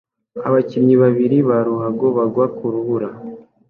Abakinnyi babiri ba ruhago bagwa ku rubura